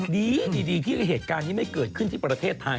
ดีดีที่เหตุการณ์นี้ไม่เกิดขึ้นที่ประเทศไทย